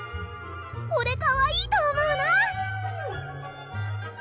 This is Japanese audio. これかわいいと思うな！